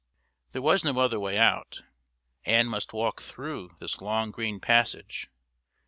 There was no other way out; Ann must walk through this long green passage.